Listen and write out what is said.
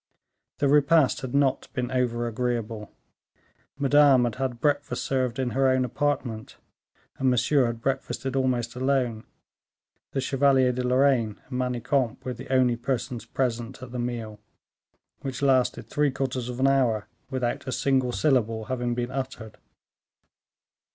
The repast had not been over agreeable. Madame had had breakfast served in her own apartment, and Monsieur had breakfasted almost alone; the Chevalier de Lorraine and Manicamp were the only persons present at the meal, which lasted three quarters of an hour without a single syllable having been uttered.